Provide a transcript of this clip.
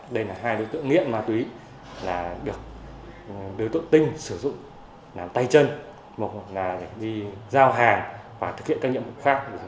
đây là hai đối tượng nghiện ma túy là được đối tượng tinh sử dụng làm tay chân một hộp là để đi giao hàng và thực hiện các nhiệm vụ khác